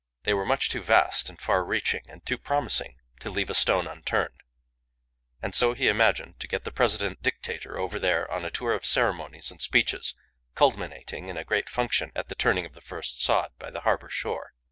They were much too vast and far reaching, and too promising to leave a stone unturned; and so he imagined to get the President Dictator over there on a tour of ceremonies and speeches, culminating in a great function at the turning of the first sod by the harbour shore.